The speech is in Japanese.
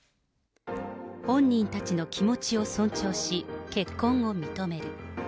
本人たちの気持ちを尊重し、結婚を認める。